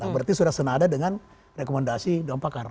berarti sudah senada dengan rekomendasi dewan pakar